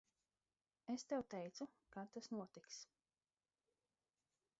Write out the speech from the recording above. Es tev teicu, ka tas notiks.